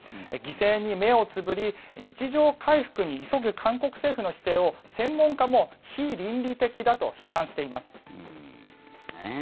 犠牲に目をつぶり日常回復に急ぐ韓国政府の姿勢を専門家も非倫理的だと批判しています。